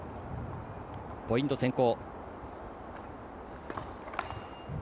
ポイント先行。